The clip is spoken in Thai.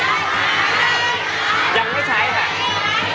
ยังไม่ใช้ค่ะ